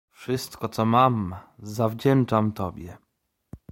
— Wszystko, co mam, zawdzięczam tobie.